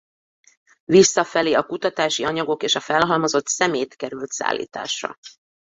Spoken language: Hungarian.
Visszafelé a kutatási anyagok és a felhalmozott szemét került szállításra.